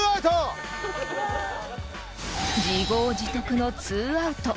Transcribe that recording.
［自業自得の２アウト］